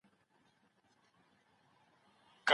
ويجاړ کورونه نه غواړو.